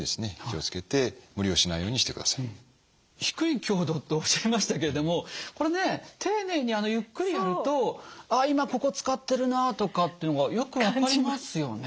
低い強度とおっしゃいましたけれどもこれね丁寧にゆっくりやると「あ今ここ使ってるな」とかっていうのがよく分かりますよね。